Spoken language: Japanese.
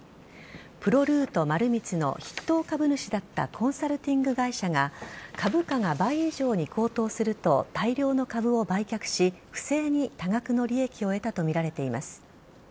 プロルート丸光の筆頭株主だったコンサルティング会社が株価が倍以上に高騰すると大量の株を売却し不正に多額の利益を得たとみられています。